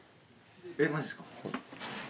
えっマジですか。